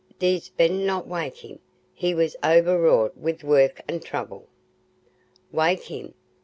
Thee'dst better not wake him. He was o'erwrought with work and trouble." "Wake him?